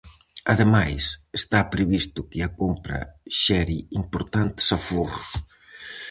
Ademais, está previsto que a compra xere importantes aforros.